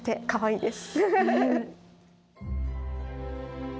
かわいい。